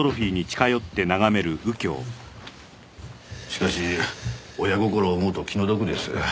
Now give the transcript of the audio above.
しかし親心を思うと気の毒です。